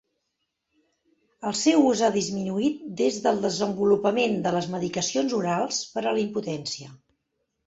El seu ús ha disminuït des del desenvolupament de les medicacions orals per a la impotència.